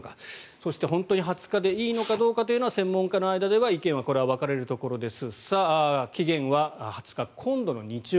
そして本当に２０日でいいのかどうかというのは専門家の間では意見はこれは分かれるところです。